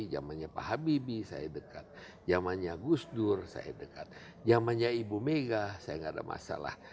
jamannya pak habibie saya dekat jamannya gus dur saya dekat jamannya ibu mega saya gak ada masalah jamannya sbi saya gak ada masalah